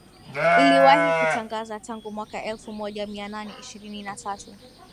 iliwahi kutangaza tangu mwaka elfumoja mianane ishirini na tatu